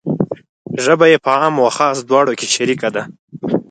ژبه یې په عام و خاص دواړو کې شریکه ده.